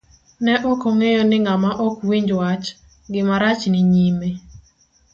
Ne okong'eyo ni ng'ama ok winj wach, gima rach ni nyime.